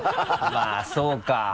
まぁそうか。